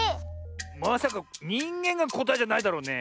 まさか「にんげん」がこたえじゃないだろうね。